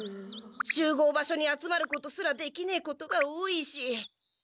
集合場所に集まることすらできねえことが多いし。